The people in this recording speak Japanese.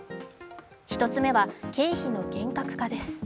１つ目は経費の厳格化です。